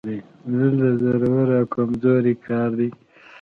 دلته زورور او کمزوری کار دی